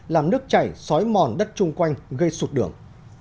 làm nước chảy xói mòn đất chung quanh gây sụt đường